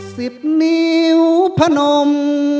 สิบนิ้วพนม